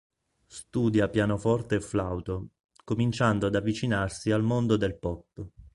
Studia pianoforte e flauto, cominciando ad avvicinarsi al mondo del pop.